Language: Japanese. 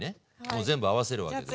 全部合わせるわけでしょ。